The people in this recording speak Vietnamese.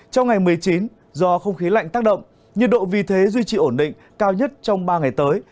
trong ngày một mươi chín do không khí lạnh tác động nhiệt độ vì thế duy trì ổn định cao nhất trong ba ngày tới